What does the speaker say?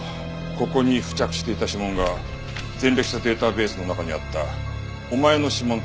ここに付着していた指紋が前歴者データベースの中にあったお前の指紋と一致したぞ。